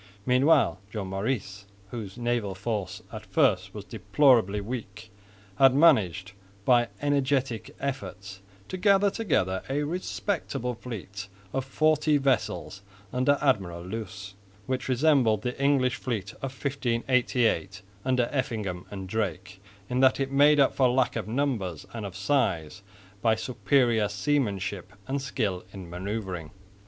Meanwhile Joan Maurice, whose naval force at first was deplorably weak, had managed by energetic efforts to gather together a respectable fleet of forty vessels under Admiral Loos, which resembled the English fleet of 1588 under Effingham and Drake, in that it made up for lack of numbers and of size by superior seamanship and skill in manoeuvring.